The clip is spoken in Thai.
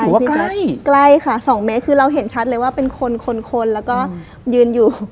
ใกล้ใกล้ค่ะสองเมตรคือเราเห็นชัดเลยว่าเป็นคนคนแล้วก็ยืนอยู่